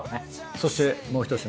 そしてもうひと品。